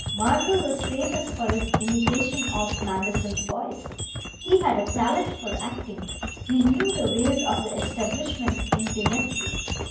Marlowe was famous for his imitation of Manderson's voice; he had a talent for acting; he knew the ways of the establishment intimately.